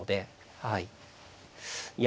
はい。